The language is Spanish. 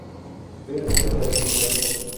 Ver metalicidad.